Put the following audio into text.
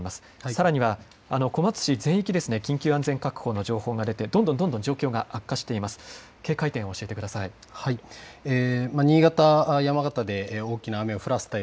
さらには小松市全域に緊急安全確保の情報が出てどんどん状況が悪化していました。